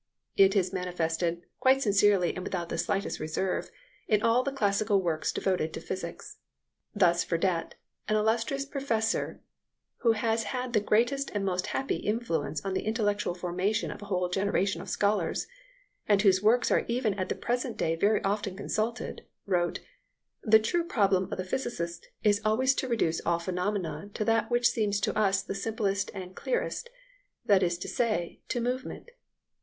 It is manifested, quite sincerely and without the slightest reserve, in all the classical works devoted to physics. Thus Verdet, an illustrious professor who has had the greatest and most happy influence on the intellectual formation of a whole generation of scholars, and whose works are even at the present day very often consulted, wrote: "The true problem of the physicist is always to reduce all phenomena to that which seems to us the simplest and clearest, that is to say, to movement."